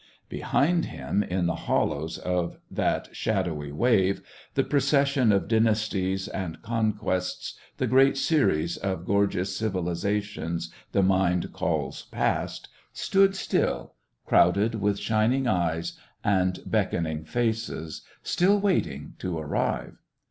Behind him, in the hollows of that shadowy wave, the procession of dynasties and conquests, the great series of gorgeous civilisations the mind calls Past, stood still, crowded with shining eyes and beckoning faces, still waiting to arrive.